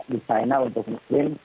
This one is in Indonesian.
di china untuk muslim